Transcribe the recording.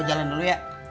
gue jalan dulu ya